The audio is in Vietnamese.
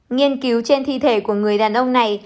nghiên cứu trên thi thể của người đàn ông này